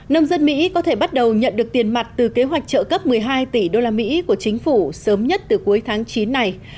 nông dân mỹ có thể bắt đầu nhận được tiền mặt từ kế hoạch trợ cấp một mươi hai tỷ usd của chính phủ sớm nhất từ cuối tháng chín này